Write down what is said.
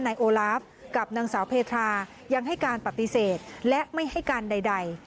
นายโอลาฟกับนางสาวเพทรายังให้การปฏิเสธและไม่ให้การใด